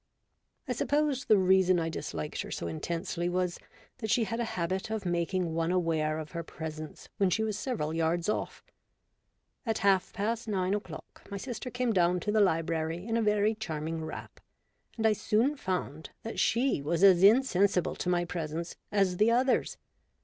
I suppose the reason I disliked her so intensely was, that she had a habit of making one aware of her presence when she was several yards off. At half past nine o'clock my sister came down to the library in a very charming wrap, and I soon found that she was as insensible to my presence as the others.